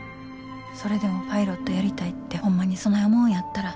それでもパイロットやりたいってホンマにそない思うんやったら。